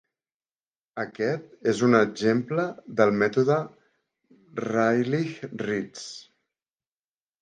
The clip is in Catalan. Aquest és un exemple del mètode Rayleigh-Ritz.